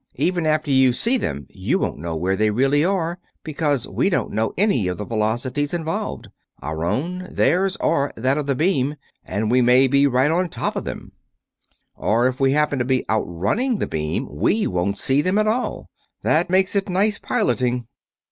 Even after you see them you won't know where they really are, because we don't know any of the velocities involved our own, theirs, or that of the beam and we may be right on top of them." "Or, if we happen to be outrunning the beam, we won't see them at all. That makes it nice piloting."